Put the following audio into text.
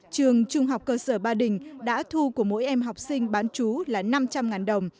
trường trung học cơ sở ba đình đã thu của mỗi em học sinh bán chú là năm trăm linh đồng